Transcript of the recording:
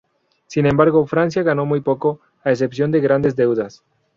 Sin embargo, Francia ganó muy poco, a excepción de grandes deudas.